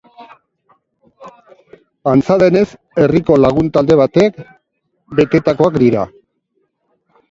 Antza denez, herriko lagun talde batek betetakoak dira.